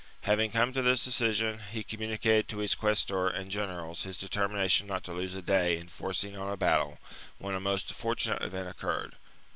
Having come to this decision, he communicated to his quaestor and generals his determination not to lose a day in forcing on a battle, when a most fortunate event occurred.